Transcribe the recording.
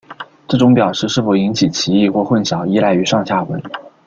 这种表示是否引起歧义或混淆依赖于上下文。